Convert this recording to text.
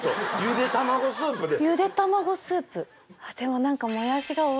でも何か。